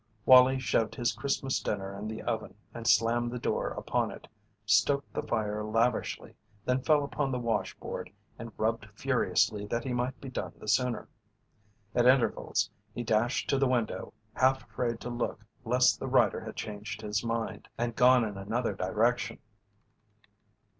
Wallie shoved his Christmas dinner in the oven and slammed the door upon it, stoked the fire lavishly, then fell upon the washboard and rubbed furiously that he might be done the sooner. At intervals he dashed to the window, half afraid to look lest the rider had changed his mind and gone in another direction.